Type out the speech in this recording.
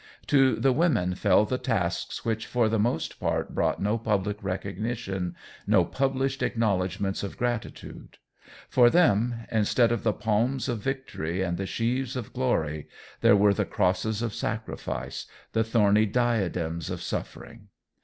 To the women fell the tasks which for the most part brought no public recognition, no published acknowledgments of gratitude. For them, instead of the palms of victory and the sheaves of glory, there were the crosses of sacrifice, the thorny diadems of suffering.